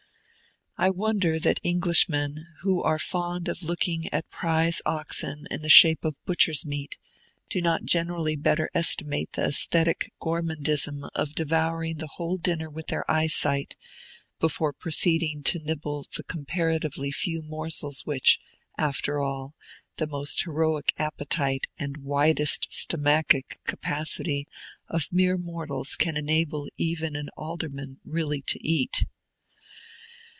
I wonder that Englishmen, who are fond of looking at prize oxen in the shape of butcher's meat, do not generally better estimate the aesthetic gormandism of devouring the whole dinner with their eyesight, before proceeding to nibble the comparatively few morsels which, after all, the most heroic appetite and widest stomachic capacity of mere mortals can enable even an alderman really to eat.